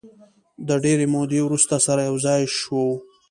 د ډېرې مودې وروسته سره یو ځای شوو.